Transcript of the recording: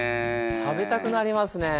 食べたくなりますね。